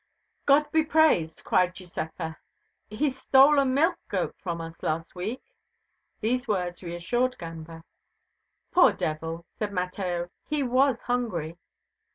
"God be praised!" cried Giuseppa. "He stole a milch goat from us last week." These words reassured Gamba. "Poor devil!" said Mateo, "he was hungry."